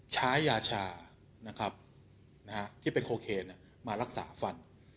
ยาชานะครับที่เป็นโคเคนมารักษาฟัน